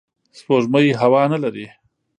سپوږمۍ هوا نه لري